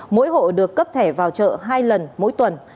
mỗi hộ được cấp thẻ vào chợ hai lần mỗi tuần